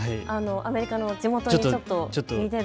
アメリカの地元にちょっと似てる？